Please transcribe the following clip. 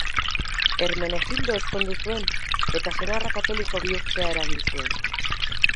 Hermenegildo ezkondu zuen eta senarra katoliko bihurtzea eragin zuen.